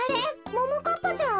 ももかっぱちゃん？